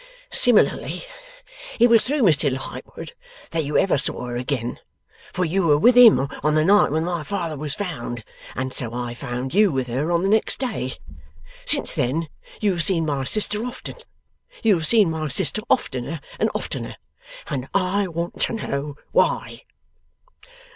'Similarly, it was through Mr Lightwood that you ever saw her again, for you were with him on the night when my father was found, and so I found you with her on the next day. Since then, you have seen my sister often. You have seen my sister oftener and oftener. And I want to know why?